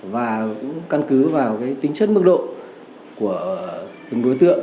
và cũng căn cứ vào tính chất mức độ của từng đối tượng